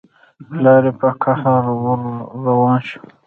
پلار يې په قهر ور روان شو.